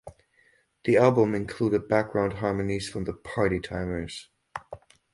The album included background harmonies from The Party Timers.